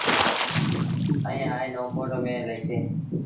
ائيٚݩ آئي نئون ڪوٽ ميݩ لهيٚسي۔